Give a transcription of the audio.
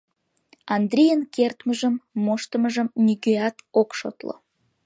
Андрийын кертмыжым, моштымыжым нигӧат ок шотло.